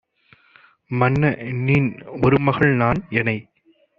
மன்ன! நின் ஒருமகள் நான் - எனை